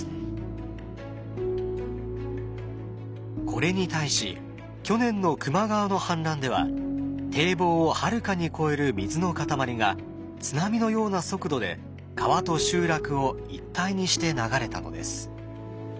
これに対し去年の球磨川の氾濫では堤防をはるかに越える水の塊が津波のような速度で川と集落を一体にして流れたのです。